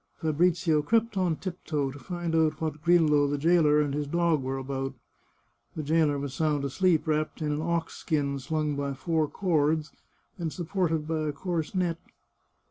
Fabrizio crept on 347 The Chartreuse of Parma tiptoe to find out what Grillo, the jailer, and his dog were about. The jailer was sound asleep, wrapped in an ox skin slung by four cords, and supported by a coarse net.